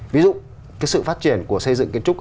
ví dụ cái sự phát triển của xây dựng kiến trúc